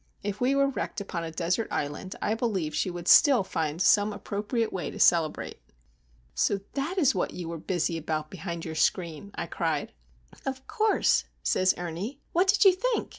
If we were wrecked upon a desert island, I believe she would still find some appropriate way to celebrate. "So that is what you were busy about behind your screen?" I cried. "Of course," says Ernie. "What did you think?